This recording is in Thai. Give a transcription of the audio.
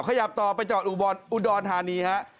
ขยับต่อไปจอดอุดรธานีฮะ